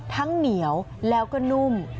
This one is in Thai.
เหนียวแล้วก็นุ่ม